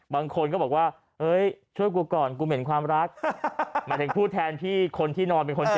บางคนก็บอกว่าเอ้ยช่วยกูก่อนกูเห็นความรักหมายถึงผู้แทนที่คนที่นอนเป็นคนเสีย